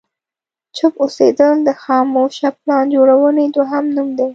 چوپ اوسېدل د خاموشه پلان جوړونې دوهم نوم دی.